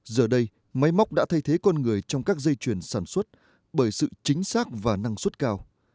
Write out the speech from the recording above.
giờ đây máy móc đã thay thế con người trong các dây chuyển sản xuất bởi sự chính xác và năng suất cao